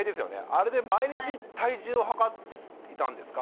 あれで毎日体重を量っていたんですか？